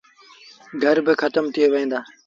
گھر با کتم ٿئي وهيݩ دآ۔